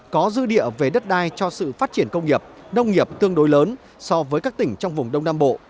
có dư địa về đất đai cho sự phát triển công nghiệp nông nghiệp tương đối lớn so với các tỉnh trong vùng đông nam bộ